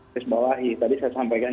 disembalahi tadi saya sampaikan